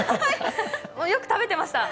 よく食べてました。